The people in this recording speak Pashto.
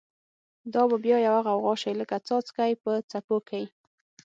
دا به بیا یوه غوغا شی، لکه څاڅکی په څپو کی